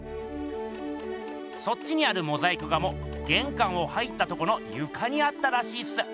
そっちにあるモザイク画もげんかんを入ったとこのゆかにあったらしいっす。